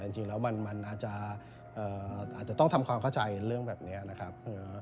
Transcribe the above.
จริงแล้วมันอาจจะต้องทำความเข้าใจเรื่องแบบนี้นะครับ